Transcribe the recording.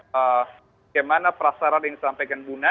bagaimana prasarat yang disampaikan buna